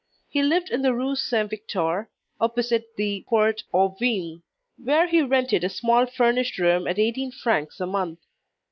He lived in the Rue Saint Victor, opposite the Port aux Vins, where he rented a small furnished room at 18 francs a month.